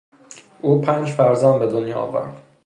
او پنج فرزند به دنیا آورد.